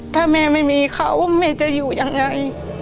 ถ้าแม่ไม่มีเขาแม่จะอยู่ยังไง